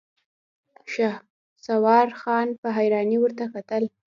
شهسوار خان په حيرانۍ ورته کتل.